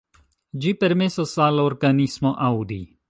Ĝi permesas al organismo aŭdi.